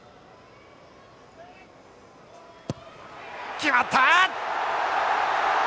決まった！